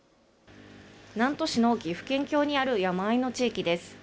南砺市の岐阜県境にある山あいの地域です。